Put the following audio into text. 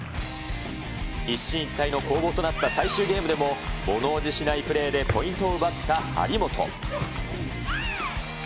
一進一退の攻防となった最終ゲームでも、ものおじしないプレーでポイントを奪った張本。